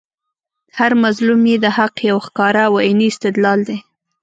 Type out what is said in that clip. هر مظلوم ئې د حق یو ښکاره او عیني استدلال دئ